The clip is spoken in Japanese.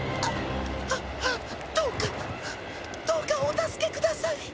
どうかどうかお助けください！